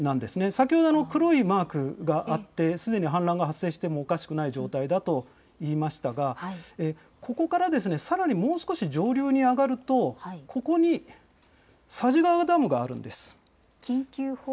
先ほど黒いマークがあって、すでに氾濫が発生してもおかしくない状態だと言いましたが、ここからさらにもう少し上流に上がると、ここに佐治川ダムがあるんです。